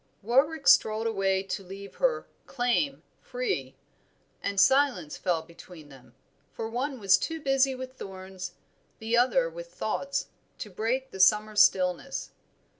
Warwick strolled away to leave her "claim" free, and silence fell between them; for one was too busy with thorns, the other with thoughts, to break the summer stillness.